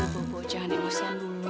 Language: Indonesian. bo bo jangan emosian dulu